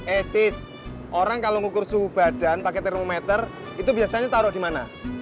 eh tis orang kalau ngukur suhu badan pake termometer itu biasanya taruh di mana